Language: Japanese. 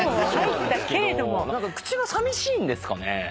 口がさみしいんですかね。